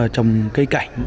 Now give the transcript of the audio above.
trồng cây cảnh